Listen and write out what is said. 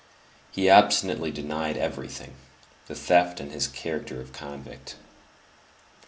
He obstinately denied everything, the theft and his character of convict.